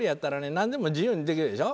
なんでも自由にできるでしょ？